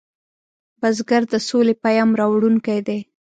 بزګر د سولې پیام راوړونکی دی